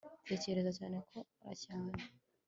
tekereza cyane. kora cyane